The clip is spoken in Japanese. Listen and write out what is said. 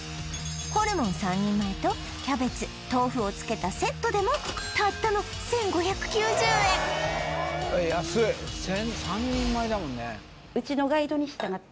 ホルモン３人前とキャベツ豆腐をつけたセットでもたったの安いはいガイドあるんだあっ